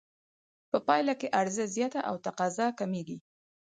په پایله کې عرضه زیاته او تقاضا کمېږي